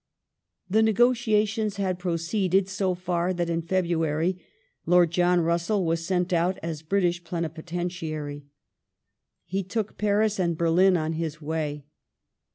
The negotiations had proceeded so far that in February Lord John Russell was sent out as British Plenipotentiary. He took Paris and Berlin on his way.